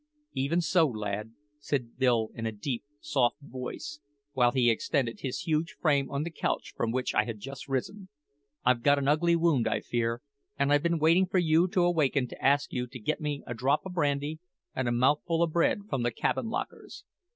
"Even so, lad," said Bill in a deep, soft voice, while he extended his huge frame on the couch from which I had just risen. "I've got an ugly wound, I fear; and I've been waiting for you to waken to ask you to get me a drop o' brandy and a mouthful o' bread from the cabin lockers.